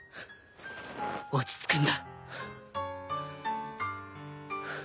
落ち着くんだハァ。